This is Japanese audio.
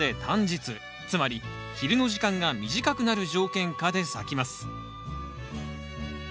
つまり昼の時間が短くなる条件下で咲きます